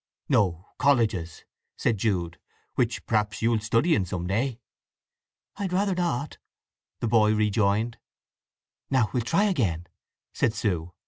"No; colleges," said Jude; "which perhaps you'll study in some day." "I'd rather not!" the boy rejoined. "Now we'll try again," said Sue.